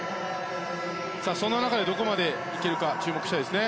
その中でどこまでいけるか注目したいですね。